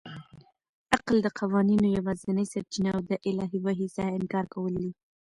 عقل د قوانینو یوازنۍ سرچینه او د الهي وحي څخه انکار کول دي.